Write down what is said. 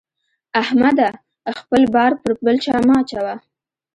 احمده! خپل بار پر بل چا مه اچوه.